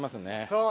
そう。